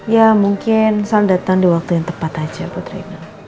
ya mungkin selalu datang di waktu yang tepat aja putri